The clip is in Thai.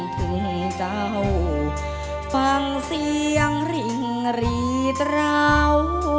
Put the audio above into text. ถึงเจ้าฟังเสียงริ่งรีตรา